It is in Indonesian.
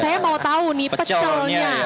saya mau tau nih pecelnya apa ini ya